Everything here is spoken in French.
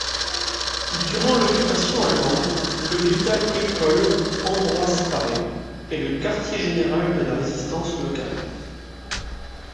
Durant l’occupation allemande, l’hôpital-école Ambroise-Paré est le quartier général de la Résistance locale.